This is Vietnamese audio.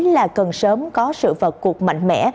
là cần sớm có sự vật cuộc mạnh mẽ